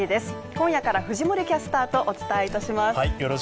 今夜から藤森キャスターとお伝えいたします。